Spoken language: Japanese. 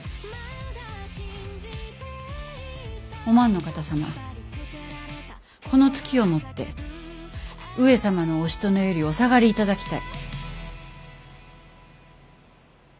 お万の方様この月をもって上様のおしとねよりお下がり頂きたい。